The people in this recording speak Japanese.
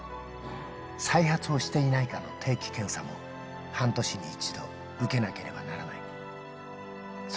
再発をしていないかの定期検査も半年に１度、受けなければならない。